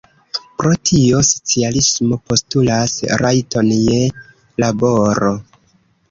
Pro tio socialismo postulas rajton je laboro.